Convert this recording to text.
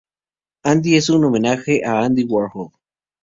Andy es un homenaje a Andy Warhol.